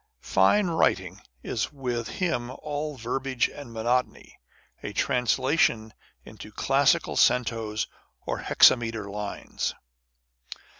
Fine writing is with him all verbiage and monotony â€" a translation into classical centos or hexameter lines.